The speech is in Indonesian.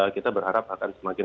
kita berharap akan semakin